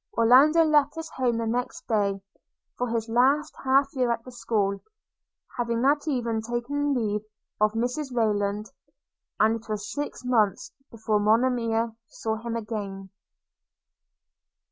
Orlando left his home the next day, for his last half year at the school (having that evening taken leave of Mrs Rayland); and it was six months before Monimia saw him again.